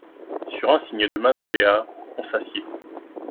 Sur un signe de Malingear, on s’assied.